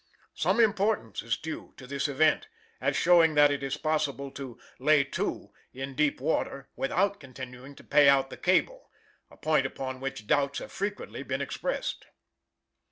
Some importance is due to this event, as showing that it is possible to "lay to" in deep water without continuing to pay out the cable, a point upon which doubts have frequently been expressed.